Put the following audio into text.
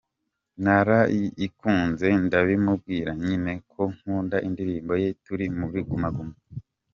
Narayikunze ndabimubwira nyine ko nkunda indirimbo ye turi muri Guma Guma, .